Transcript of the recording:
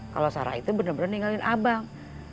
kalau sarah itu bener bener ninggalin abang